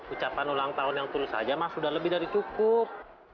ucapan ulang tahun yang tulus saja mah sudah lebih dari cukup